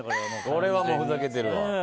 これはふざけてるわ。